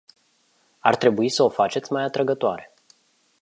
Ar trebui să o faceți mai atrăgătoare.